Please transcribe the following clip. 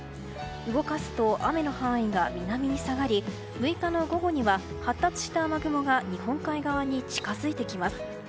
動かすと、雨の範囲が南に下がり、６日午後には発達した雨雲が日本海側に近づいてきます。